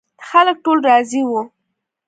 خلک ټول راضي وي.